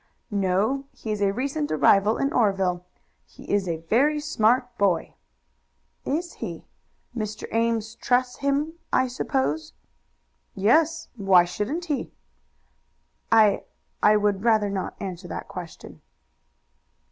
"No; he is a recent arrival in Oreville. He is a very smart boy." "Is he? Mr. Ames trusts him, I suppose?" "Yes. Why shouldn't he?" "I I would rather not answer that question."